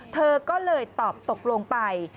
เธอก็เลยตอบตกลงไป